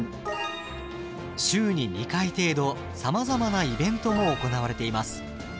週に２回程度さまざまなイベントも行われています。